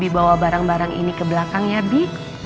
bibi bawa barang barang ini ke belakang ya bi